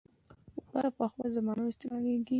اوړه له پخوا زمانو استعمالېږي